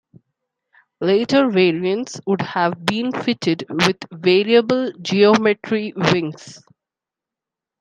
Later variants would have been fitted with variable-geometry wings.